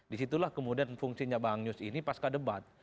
disitulah kemudian fungsinya bahan news ini pasca debat